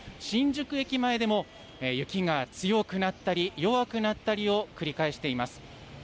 新宿駅前でも雪が強くなったり、弱くなったりを繰り返しています。